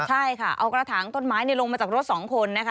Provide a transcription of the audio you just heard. ใช่ค่ะเอากระถางต้นไม้ลงมาจากรถสองคนนะคะ